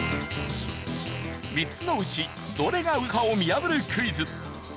３つのうちどれがウソかを見破るクイズ。